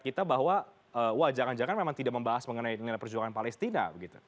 kita bahwa wah jangan jangan memang tidak membahas mengenai nilai perjuangan palestina